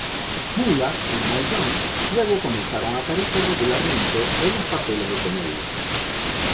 Moolah y Mae Young luego comenzaron a aparecer regularmente en los papeles de comedia.